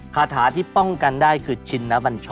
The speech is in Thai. คาถาที่ป้องกันได้คือชินนบัญชน